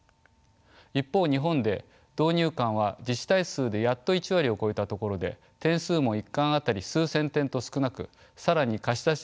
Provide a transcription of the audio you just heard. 一方日本で導入館は自治体数でやっと１割を超えたところで点数も１館あたり数千点と少なく更に貸し出し率も低いままでした。